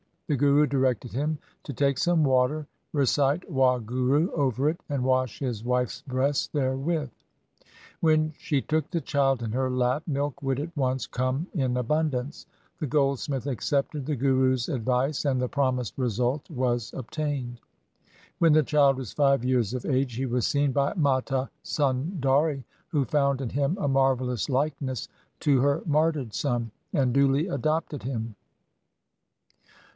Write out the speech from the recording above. The Guru directed him to take some water, recite Wahguru over it, and wash his wife's breasts there with. When she took the child in her lap milk would at once come in abundance. The goldsmith accepted the Guru's advice, and the promised result was obtained. When the child was five years of age, he was seen by Mata Sundari, who found in him a marvellous likeness to her martyred son, and duly adopted him.